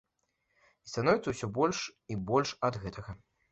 І становіцца ўсё больш і больш ад гэтага.